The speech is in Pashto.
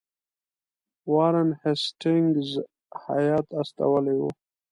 وارن هیسټینګز هیات استولی وو.